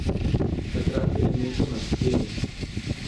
Takrat je en meter nad tlemi.